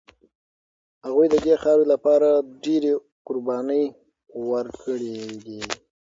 هغوی د دې خاورې لپاره ډېرې قربانۍ ورکړي دي.